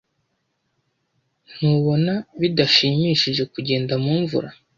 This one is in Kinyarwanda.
Ntubona bidashimishije kugenda mumvura?